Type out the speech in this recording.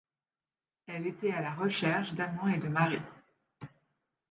Elle était à la recherche d'amants et de maris.